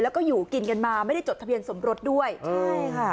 แล้วก็อยู่กินกันมาไม่ได้จดทะเบียนสมรสด้วยใช่ค่ะ